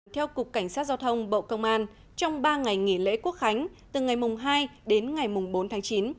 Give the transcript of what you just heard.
theo cục cảnh sát giao thông bộ công an trong ba ngày nghỉ lễ quốc khánh từ ngày hai đến ngày mùng bốn tháng chín